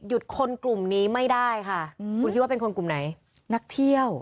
คนกลุ่มนี้ไม่ได้ค่ะคุณคิดว่าเป็นคนกลุ่มไหนนักเที่ยว